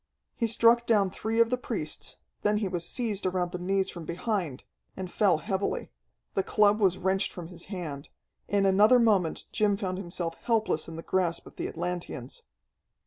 He struck down three of the priests; then he was seized around the knees from behind, and fell heavily. The club was wrenched from his hand. In another moment Jim found himself helpless in the grasp of the Atlanteans.